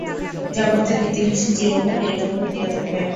জগতের ইতিহাসে চিরকালই এইরূপ ঘটিয়া থাকে।